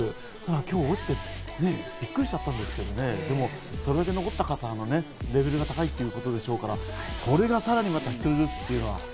今日落ちてびっくりしちゃったんですけど、それだけ残った方のレベルが高いということでしょうから、それがさらにまた１人ずつというのが。